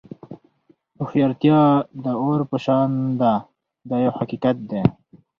هوښیارتیا د اور په شان ده دا یو حقیقت دی.